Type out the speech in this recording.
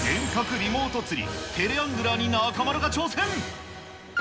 リモート釣り、テレアングラーに中丸が挑戦。